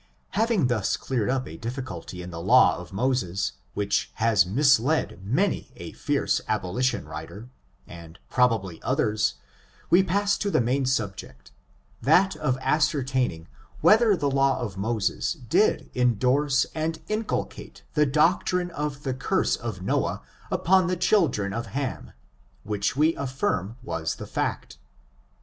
Having thus cleared up a difficulty in the law of Moses, which has misled many a fierce abolition writer, and probably others, we pass to the main sub ject, that of ascertaining whether the law of Moses did indorse and inculcate the doctrine of the curse of Noah upon the children of Ham, which we affirm was the fact.